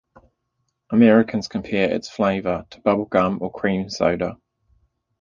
Americans compare its flavor to bubblegum or cream soda.